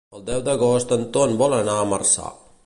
El deu d'agost en Ton vol anar a Marçà.